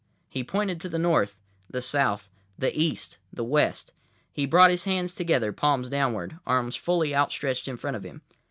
He pointed to the north, the south, the east, the west. He brought his hands together, palms downward, arms fully out stretched in front of him.